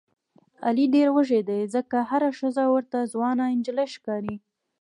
علي ډېر وږی دی ځکه هره ښځه ورته ځوانه نجیلۍ ښکاري.